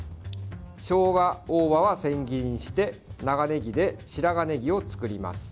しょうが、大葉は千切りにして長ねぎで白髪ねぎを作ります。